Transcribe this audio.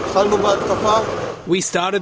kami mulai dari air